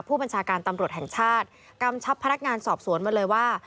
ผู้บัญชาการตำรวจแห่งชาติกำชับพนักงานสอบสวนมาเลยว่า